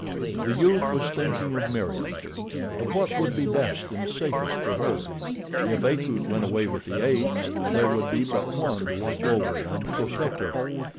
The youth was thinking of Meriem—of what would be best and safest for her. If Akut went away with the apes there would be but one to watch over and protect her.